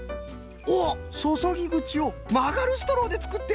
おっそそぎぐちをまがるストローでつくってある！